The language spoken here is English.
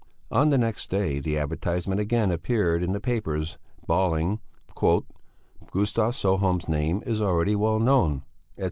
On the next day the advertisement again appeared in all the papers, bawling: "Gustav Sjöholm's name is already well known, etc.